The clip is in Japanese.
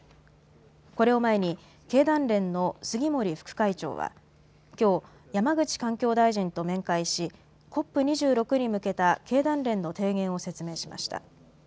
これを前に経団連の杉森副会長はきょう、山口環境大臣と面会しＣＯＰ２６に向けた経団連の提言を説明しました。